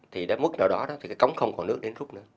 thì đến mức nào đó thì cái cống không còn nước thì nó rút nữa